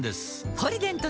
「ポリデント」